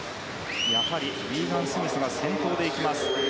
やはりリーガン・スミスが先頭で行きます。